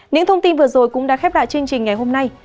những thông tin vừa rồi cũng đã khép lại chương trình ngày hôm nay